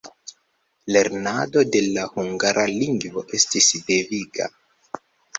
Lernado de la hungara lingvo estis deviga.